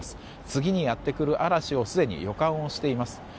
次にやってくる嵐をすでに予感しています。